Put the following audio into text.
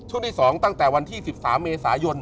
ช่วงที่๒ตั้งแต่วันที่๑๓เมษายน